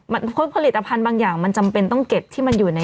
เพราะผลิตภัณฑ์บางอย่างมันจำเป็นต้องเก็บที่มันอยู่ใน